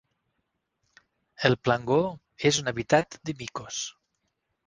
El plangó és un hàbitat de micos.